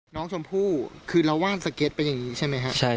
น้องชมพู่คือเราว่านสเก็ตเป็นอย่างนี้ใช่ไหมครับ